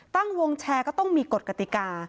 ตั้งวงแชร์ก็ต้องมีกฎกติกา